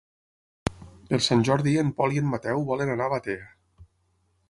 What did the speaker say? Per Sant Jordi en Pol i en Mateu volen anar a Batea.